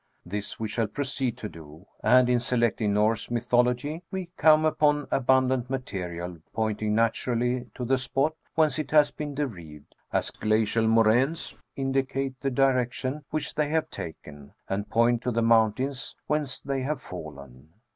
This we shall proceed to do, and in selecting Norse mythology, we come upon abundant material, pointing naturally to the spot whence it has been derived, as glacial moraines indicate the direction which they have taken, and point to the mountains whence they have fallen.